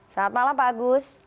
selamat malam pak agus